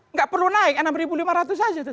nggak perlu naik enam ribu lima ratus saja